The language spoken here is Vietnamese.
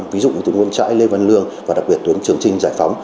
ví dụ như tuyến nguyễn trãi lê văn lương và đặc biệt tuyến trường trinh giải phóng